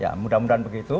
ya mudah mudahan begitu